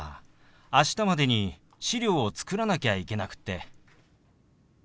明日までに資料を作らなきゃいけなくって。